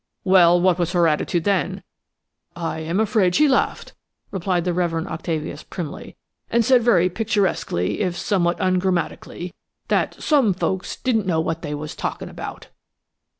"Well, what was her attitude then?" "I am afraid she laughed," replied the Reverend Octavius, primly, "and said very picturesquely, if somewhat ungrammatically, that 'some folks didn't know what they was talkin' about.'"